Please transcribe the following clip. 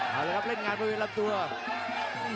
ประเภทมัยยังอย่างปักส่วนขวา